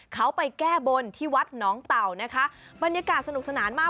เขาไปแก้บนที่วัดน้องเต่านะคะบรรยากาศสนุกสนานมาก